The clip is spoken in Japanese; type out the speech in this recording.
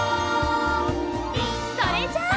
それじゃあ！